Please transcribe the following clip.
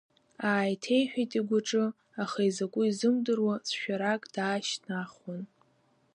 Ааиҭеиҳәеит игәаҿы, аха изакәу изымдыруа, цәшәарак даашьҭнахуан.